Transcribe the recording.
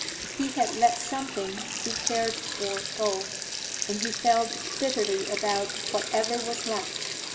He had let something he cared for go, and he felt bitterly about whatever was left.